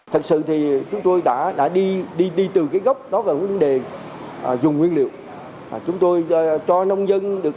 thật sự thì chúng tôi đã đi từ cái gốc đó là vấn đề dùng nguyên liệu chúng tôi cho nông dân được